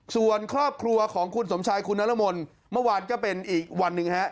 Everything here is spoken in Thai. ส่วนครอบครัวของคุณสมชายคุณนรมนเมื่อวานก็เป็นอีกวันหนึ่งฮะ